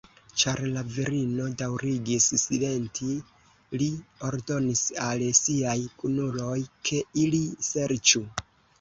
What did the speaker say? Ĉar la virino daŭrigis silenti, li ordonis al siaj kunuloj, ke ili serĉu.